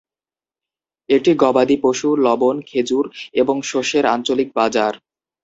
এটি গবাদি পশু, লবণ, খেজুর এবং শস্যের আঞ্চলিক বাজার।